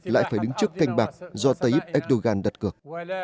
lại phải đứng trước canh bạc do tây íp erdogan đặt cực